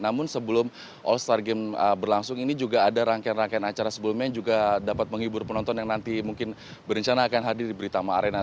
namun sebelum all star game berlangsung ini juga ada rangkaian rangkaian acara sebelumnya yang juga dapat menghibur penonton yang nanti mungkin berencana akan hadir di britama arena